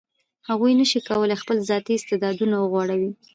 هغه نشي کولای خپل ذاتي استعدادونه وغوړوي.